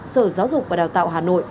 sở giáo dục và đào tạo hà nội